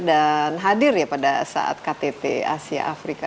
dan hadir ya pada saat ktt asia afrika